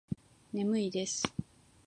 眠いです